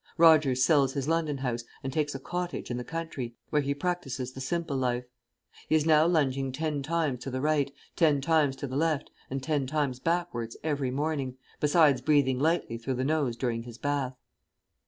Roger sells his London house and takes a cottage in the country, where he practises the simple life. He is now lunging ten times to the right, ten times to the left and ten times backwards every morning, besides breathing lightly through the nose during his bath.